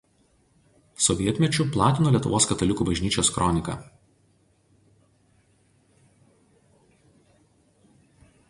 Sovietmečiu platino Lietuvos katalikų bažnyčios kroniką.